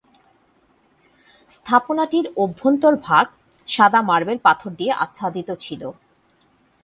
স্থাপনাটির অভ্যন্তর ভাগ সাদা মার্বেল পাথর দিয়ে আচ্ছাদিত ছিল।